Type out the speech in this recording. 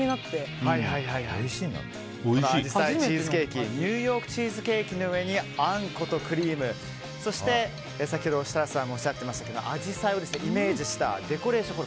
この紫陽花チーズケーキニューヨークチーズケーキの上にあんことクリームそして先ほど設楽さんもおっしゃっていましたけどアジサイをイメージしたデコレーション